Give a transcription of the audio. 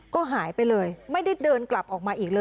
ก็หายไปเลยไม่ได้เดินกลับออกมาอีกเลย